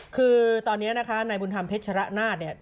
คือตอนนี้นะคะนายบุญธรรมเพชรนาศเนี่ย